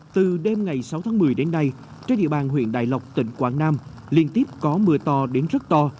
từ đêm ngày sáu tháng một mươi đến nay trên địa bàn huyện đại lộc tỉnh quảng nam liên tiếp có mưa to đến rất to